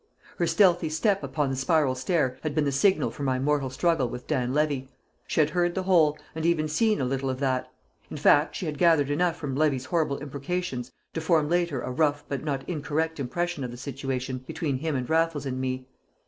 Her stealthy step upon the spiral stair had been the signal for my mortal struggle with Dan Levy. She had heard the whole, and even seen a little of that; in fact, she had gathered enough from Levy's horrible imprecations to form later a rough but not incorrect impression of the situation between him and Raffles and me.